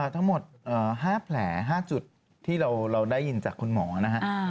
ทั้งหมด๕แผล๕จุดที่เราได้ยินจากคุณหมอนะฮะ